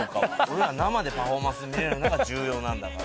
俺らは生でパフォーマンスを見れるのが重要なんだから。